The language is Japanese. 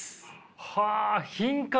はあ品格？